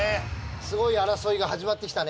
すごい争いが始まってきたね。